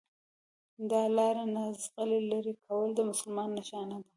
دا لار نه خځلي لري کول د مسلمان نښانه ده